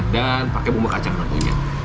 dan pakai bumbu kacang tentunya